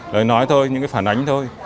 lời nói thôi những cái phản ánh thôi